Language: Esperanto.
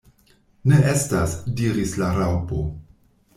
"Ne estas," diris la Raŭpo.